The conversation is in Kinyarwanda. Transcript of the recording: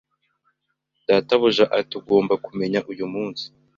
Databuja ati Ugomba kumenya uyu munsi